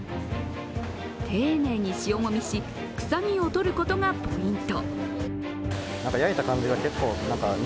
丁寧に塩もみし、臭みを取ることがポイント。